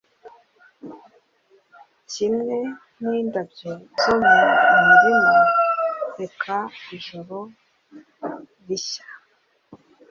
Kimwe n'indabyo zo mumirima reka ijoro rishya